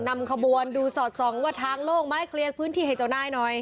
นำขบวนดูสอดส่องว่าทางโล่งไหมเคลียร์พื้นที่ให้เจ้านายหน่อย